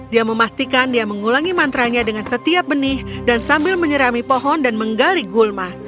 dia memastikan dia mengulangi mantranya dengan setiap benih dan sambil menyerami pohon dan menggali gulma